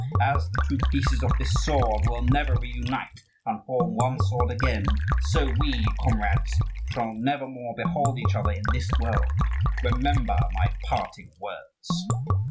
As the two pieces of this sword will never reunite and form one sword again, so we, comrades, shall nevermore behold each other in this world. Remember my parting words."